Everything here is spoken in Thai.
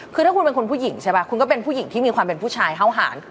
คือถ้าคุณเป็นคนผู้หญิงใช่ป่ะคุณก็เป็นผู้หญิงที่มีความเป็นผู้ชายเห่าหาร